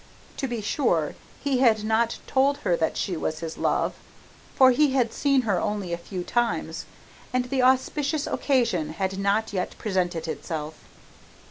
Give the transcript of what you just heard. To be sure, he had not told her that she was his love, for he had seen her only a few times, and the auspicious occasion had not yet presented itself.